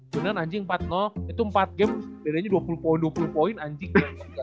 beneran anjir empat itu empat game bedanya dua puluh poin dua puluh poin anjir